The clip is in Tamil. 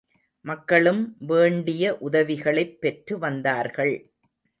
மக்களும் வேண்டிய உதவிகளைப் பெற்று வந்தார்கள்.